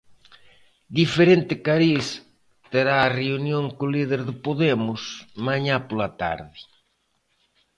Diferente cariz terá a reunión co líder de Podemos, mañá pola tarde.